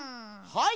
はい！